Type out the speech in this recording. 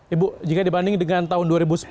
ibu jika dibanding dengan tahun dua ribu sepuluh